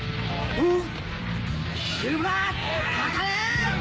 おっ‼